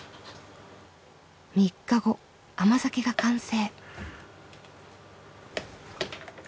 ３日後甘酒が完成。